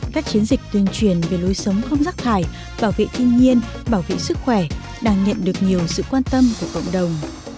các chiến dịch tuyên truyền về lối sống không rắc thải bảo vệ thiên nhiên bảo vệ sức khỏe đang nhận được nhiều sự quan tâm của cộng đồng